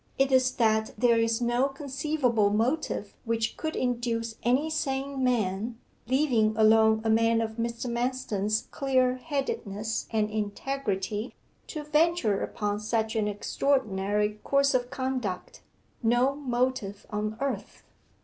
It is that there is no conceivable motive which could induce any sane man leaving alone a man of Mr. Manston's clear headedness and integrity to venture upon such an extraordinary course of conduct no motive on earth.